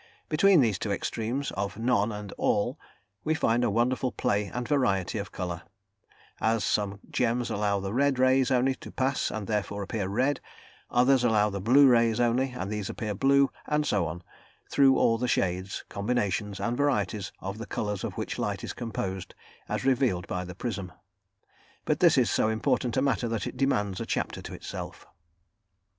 Between these two extremes of none and all we find a wonderful play and variety of colour, as some gems allow the red rays only to pass and therefore appear red; others allow the blue rays only and these appear blue, and so on, through all the shades, combinations and varieties of the colours of which light is composed, as revealed by the prism. But this is so important a matter that it demands a chapter to itself.